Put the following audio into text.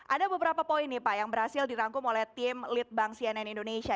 ada beberapa poin nih pak yang berhasil dirangkum oleh tim lead bank cnn indonesia